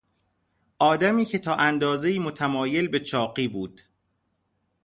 آدمی که تا اندازهای متمایل به چاقی بود